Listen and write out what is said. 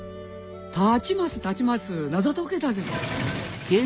立ちます立ちます謎は解けたぜ！